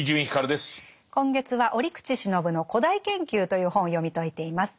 今月は折口信夫の「古代研究」という本を読み解いています。